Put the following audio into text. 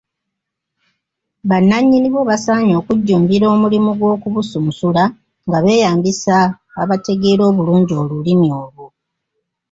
Bannannyini bwo basaanye okujjumbira omulimu gw’okubusunsula nga beeyambisa abateegera obulungi Olulimi olwo.